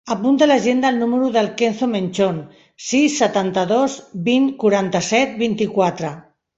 Apunta a l'agenda el número del Kenzo Menchon: sis, setanta-dos, vint, quaranta-set, vint-i-quatre.